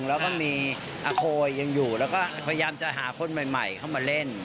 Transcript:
แล้วก็มีอาโคยังอยู่แล้วก็พยายามจะหาคนใหม่เข้ามาเล่น